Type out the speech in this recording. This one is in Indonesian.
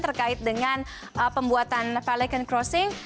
terkait dengan pembuatan balikan crossing